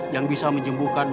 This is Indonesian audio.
yang bisa menjembukan